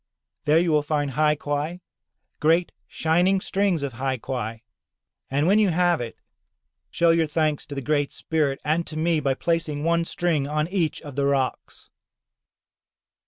There you will find hai quai, great shining strings of hai quai. And when you have it, show your thanks to the Great Spirit and to me by placing one string on each of the rocks."